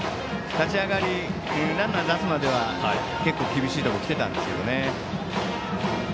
立ち上がりランナーを出すまでは結構厳しいところに来てたんですけどね。